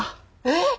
えっ！？